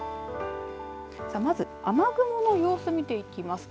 さあ、まず雨雲の様子、見ていきます。